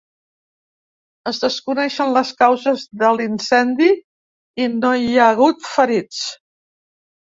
Es desconeixen les causes de l’incendi i no hi ha hagut ferits.